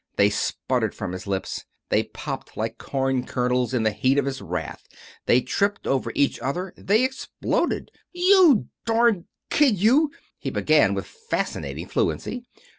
They spluttered from his lips. They popped like corn kernels in the heat of his wrath; they tripped over each other; they exploded. "You darned kid, you!" he began, with fascinating fluency.